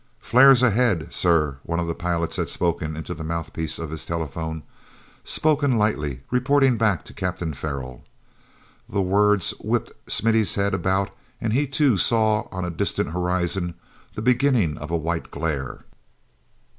"Flares ahead, sir," one of the pilots had spoken into the mouthpiece of his telephone, spoken lightly, reporting back to Captain Farrell. The words whipped Smithy's head about, and he, too, saw on a distant horizon, the beginning of a white glare.